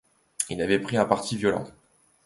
Il avait pris un parti violent.